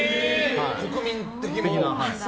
国民的な。